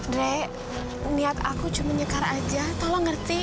dek niat aku cuma nyekar aja tolong ngerti